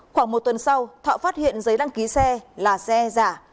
khoảng một tuần sau thọ phát hiện giấy đăng ký xe là xe giả